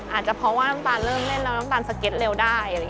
อาจจะเพราะว่าน้ำตาลเริ่มเล่นแล้วน้ำตาลสเก็ตเร็วได้